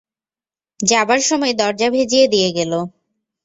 যাবার সময় দরজা ভেজিয়ে দিয়ে গেল।